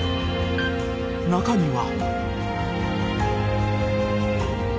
［中には］